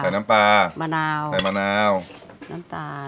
บัตรน้ำปลาน้ำปลาแมนมะนาวมะนาว